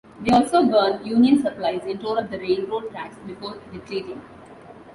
They also burned Union supplies and tore up the railroad tracks before retreating.